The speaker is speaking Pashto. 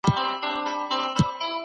ډیپلوماټانو به سوداګریزي لاري خلاصولې.